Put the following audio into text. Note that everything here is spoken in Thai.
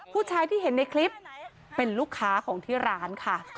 ผู้ชายที่เห็นในคลิปเป็นลูกค้าของที่ร้านค่ะ